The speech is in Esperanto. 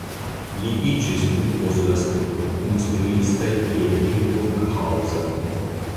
Li iĝis tuj post la studoj instruisto je Hildburghausen.